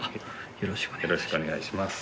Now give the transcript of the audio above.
よろしくお願いします。